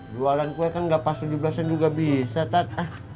jualan kue kan udah pas tujuh belas an juga bisa tata